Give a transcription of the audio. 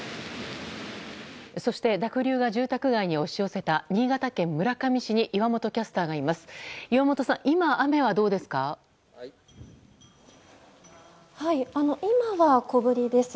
そして濁流が住宅街に押し寄せた新潟県村上市に岩本キャスターがいます。